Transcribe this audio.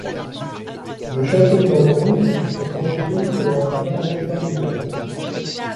Le château d’Ambrus est construit selon un plan rectangulaire.